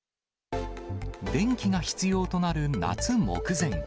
電気が必要となる夏目前。